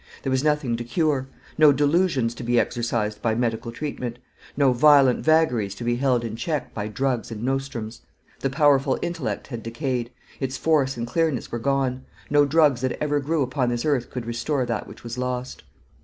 There was nothing to cure; no delusions to be exorcised by medical treatment; no violent vagaries to be held in check by drugs and nostrums. The powerful intellect had decayed; its force and clearness were gone. No drugs that ever grew upon this earth could restore that which was lost.